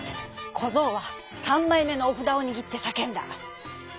こぞうはさんまいめのおふだをにぎってさけんだ。